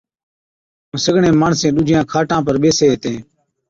ائُون سگڙين ماڻسين ڏُوجِيان کاٽان پر ٻيسين ھِتين